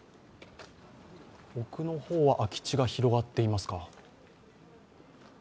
奥の方は空き地が広がっていますか？